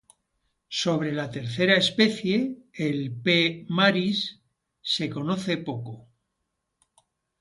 Sobre la tercera especie, el "P. maris", se conoce poco.